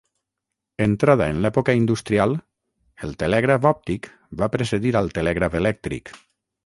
Entrada en l'època industrial, el telègraf òptic va precedir al telègraf elèctric.